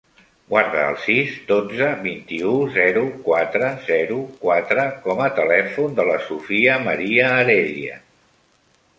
Guarda el sis, dotze, vint-i-u, zero, quatre, zero, quatre com a telèfon de la Sofia maria Heredia.